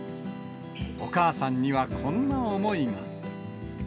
お母さんにはこんな思いが。